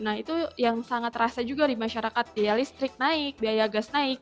nah itu yang sangat terasa juga di masyarakat biaya listrik naik biaya gas naik